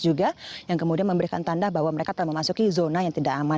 juga yang kemudian memberikan tanda bahwa mereka telah memasuki zona yang tidak aman